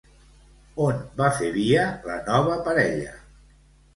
On va fer via la nova parella?